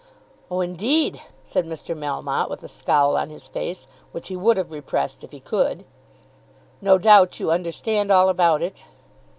"Oh, indeed," said Mr. Melmotte, with a scowl on his face, which he would have repressed if he could. "No doubt you understand all about it."